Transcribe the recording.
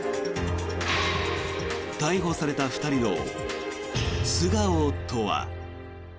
逮捕された２人の素顔とは。